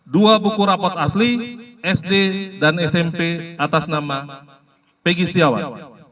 dua buku rapot asli sd dan smp atas nama pegi setiawan